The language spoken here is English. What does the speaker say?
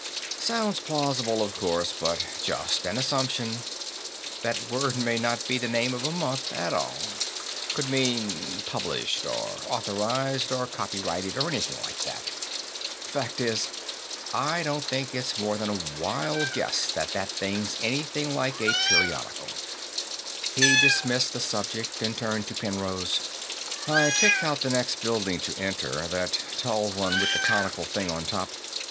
"Sounds plausible, of course, but just an assumption. That word may not be the name of a month, at all could mean 'published' or 'authorized' or 'copyrighted' or anything like that. Fact is, I don't think it's more than a wild guess that that thing's anything like a periodical." He dismissed the subject and turned to Penrose. "I picked out the next building to enter; that tall one with the conical thing on top.